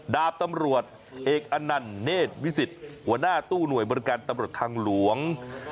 ดาบตำรวจเอกอนันเนธวิสิทธิ์หัวหน้าตู้หน่วยบริการตำรวจทางหลวง